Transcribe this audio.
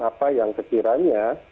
apa yang sekiranya